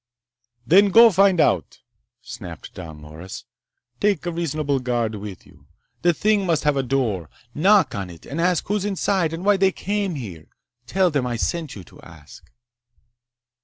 "Then go find out!" snapped Don Loris. "Take a reasonable guard with you. The thing must have a door. Knock on it and ask who's inside and why they came here. Tell them I sent you to ask."